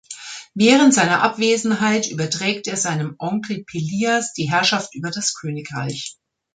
Während seiner Abwesenheit überträgt er seinem Onkel Pelias die Herrschaft über das Königreich.